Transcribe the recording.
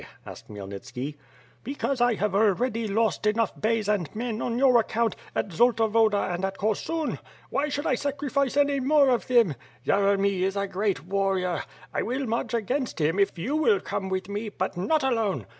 asked Khmyelnitski. "Because T have already lost enough \ eys and men on your account, at Zolta Woda and at Korsun. 'V\Tiy should I sacri fice any more of them? Yeremy is a great warrior. I will march against him, if you will come with me, but not alone.